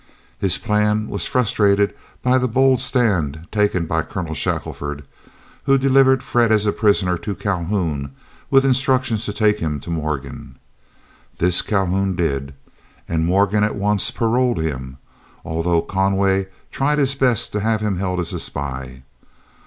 His plan was frustrated by the bold stand taken by Colonel Shackelford, who delivered Fred as a prisoner to Calhoun with instructions to take him to Morgan. This Calhoun did, and Morgan at once paroled him, although Conway tried his best to have him held as a spy.